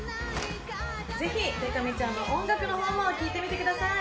ぜひでか美ちゃんの音楽の方も聴いてみてください。